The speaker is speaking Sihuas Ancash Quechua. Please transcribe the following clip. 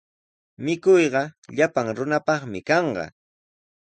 Mikuyqa llapan runapaqmi kanqa.